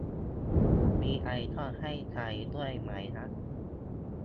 มีไอคอนให้ใช้ด้วยไหมนะ